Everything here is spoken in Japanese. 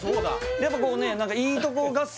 やっぱこうね